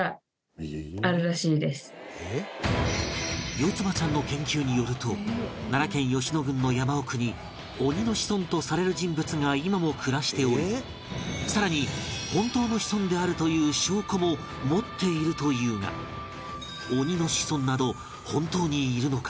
よつばちゃんの研究によると奈良県吉野郡の山奥に鬼の子孫とされる人物が今も暮らしており更に本当の子孫であるという証拠も持っているというが鬼の子孫など本当にいるのか？